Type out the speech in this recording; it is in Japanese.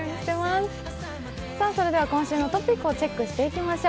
それでは今週のトピックをチェックしていきましょう。